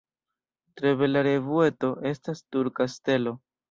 Tre bela revueto estas Turka Stelo.